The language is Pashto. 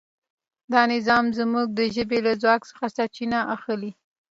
دا نظام زموږ د ژبې له ځواک څخه سرچینه اخلي.